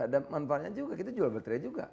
dan manfaatnya juga kita jual betre juga